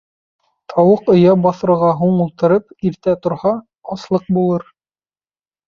Тауыҡ оя баҫырға һуң ултырып, иртә торһа, аслыҡ булыр.